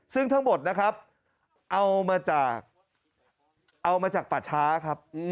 ซึ่งทั้งหมดนะครับเอามาจากเอามาจากป่าช้าครับ